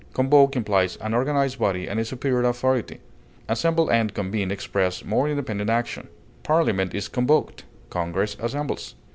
Convoke implies an organized body and a superior authority; assemble and convene express more independent action; Parliament is convoked; Congress assembles.